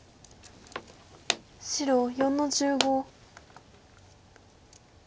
白４の十五。